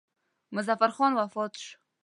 مظفر خان وفات شو.